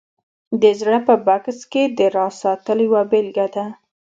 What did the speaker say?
د زړه په بکس کې د راز ساتل یوه بېلګه ده